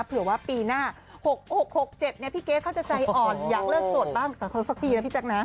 เผื่อว่าปีหน้า๖๖๗พี่เกรทเขาจะใจอ่อนอยากเลิกโสดบ้างกับเขาสักทีนะพี่แจ๊คนะ